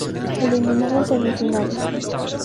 Eliminado en semifinales.